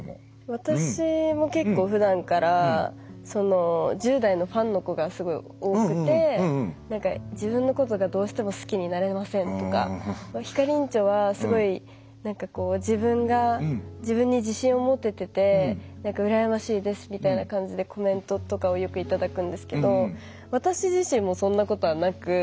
私も結構ふだんから１０代のファンの子がすごい多くて自分のことがどうしても好きになれませんとかひかりんちょはすごい自分に自信を持ててて羨ましいですみたいな感じでコメントとかをよく頂くんですけど私自身もそんなことはなく